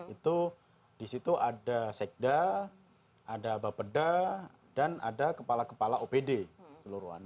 itu di situ ada sekda ada bapeda dan ada kepala kepala opd seluruhan